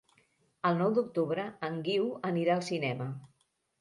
El nou d'octubre en Guiu anirà al cinema.